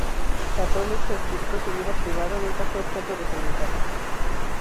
Católico estricto, su vida privada nunca fue objeto de comentarios.